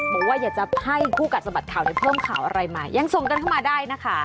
บอกว่าอยากจะให้คู่กัดสะบัดข่าวในเพิ่มข่าวอะไรมายังส่งกันเข้ามาได้นะคะ